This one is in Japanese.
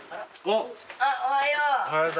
あっおはよう。